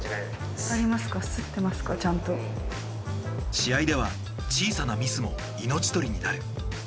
試合では小さなミスも命取りになる。